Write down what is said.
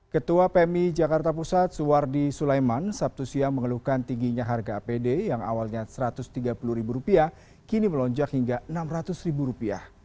ketua pmi jakarta pusat suwardi sulaiman sabtu siang mengeluhkan tingginya harga apd yang awalnya rp satu ratus tiga puluh kini melonjak hingga rp enam ratus